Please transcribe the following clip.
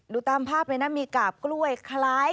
ตามภาพเลยนะมีกาบกล้วยคล้าย